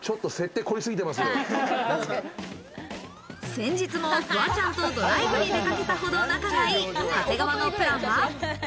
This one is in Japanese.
先日もフワちゃんとドライブに出かけたほど仲がいい長谷川のプランは。